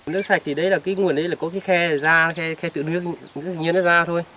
nước sạch thì nguồn ấy có cái khe ra khe tự nước như nó ra thôi